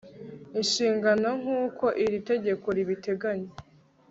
inshingano nk uko iri tegeko ribiteganya